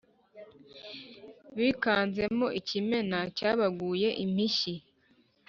bikanzemo ikimena cy’abaguye impishyi,